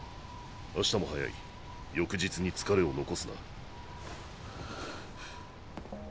明日も早い翌日に疲れを残すな。